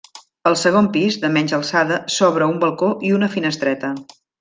Al segon pis, de menys alçada, s'obre un balcó i una finestreta.